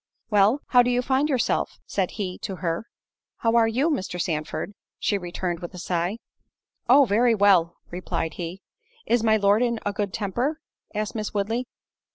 "Well—how do you find yourself?" said he to her. "How are you, Mr. Sandford?" she returned, with a sigh. "Oh! very well," replied he. "Is my Lord in a good temper?" asked Miss Woodley.